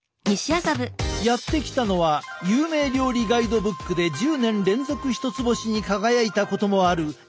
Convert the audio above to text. やって来たのは有名料理ガイドブックで１０年連続１つ星に輝いたこともある日本料理店。